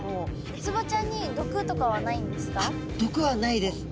ウツボちゃんに毒とかはないんですか？